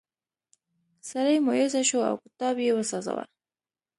سړی مایوسه شو او کتاب یې وسوځاوه.